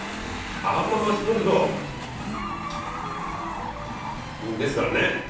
あんまマッシュポテトですからね。